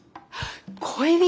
恋人？